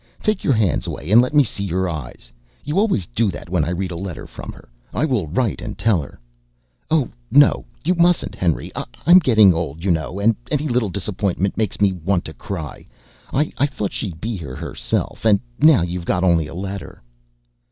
Take your hands away, and let me see your eyes. You always do that when I read a letter from her. I will write and tell her." "Oh no, you mustn't, Henry. I'm getting old, you know, and any little disappointment makes me want to cry. I thought she'd be here herself, and now you've got only a letter."